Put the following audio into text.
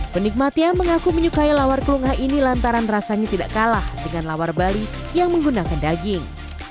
penikmatnya mengaku menyukai lawar kelungah ini lantaran rasanya tidak kalah dengan lawar bali yang menggunakan daging